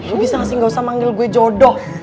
lo bisa gak sih gak usah manggil gue jodoh